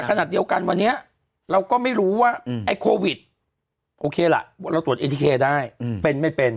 ขนาดเดียวกันวันนี้เราก็ไม่รู้ว่าไอ้โควิดโอเคล่ะเราตรวจเอทีเคได้เป็นไม่เป็น